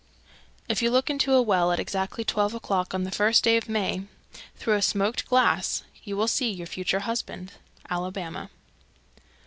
_ 323. If you look into a well at exactly twelve o'clock, on the first day of May, through a smoked glass, you will see your future husband. _Alabama.